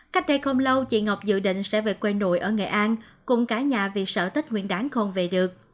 cách đây không lâu chị ngọc dự định sẽ về quê nội ở nghệ an cùng cả nhà vì sở tết nguyên đáng không về được